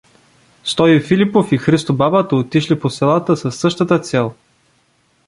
Стою Филипов и Христо Бабата отишли по селата със същата цел.